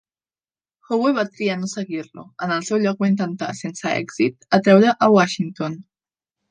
Howe va triar no seguir-lo, en el seu lloc va intentar, sense èxit, atreure a Washington.